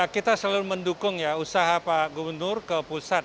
kita selalu mendukung ya usaha pak gubernur ke pusat